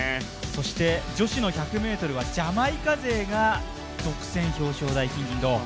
そして女子の１００ｍはジャマイカ勢が独占表彰台金、銀、銅。